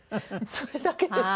それだけです。